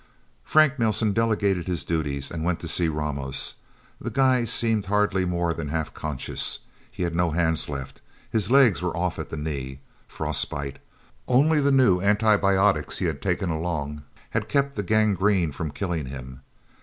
Frank Nelsen delegated his duties, and went to see Ramos. The guy seemed hardly more than half conscious. He had no hands left. His legs were off at the knee. Frostbite. Only the new antibiotics he had taken along, had kept the gangrene from killing him.